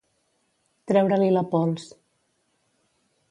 Treure-li la pols.